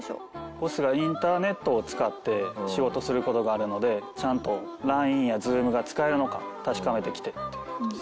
ボスがインターネットを使って仕事をする事があるのでちゃんとＬＩＮＥやＺｏｏｍが使えるのか確かめてきてっていう事です。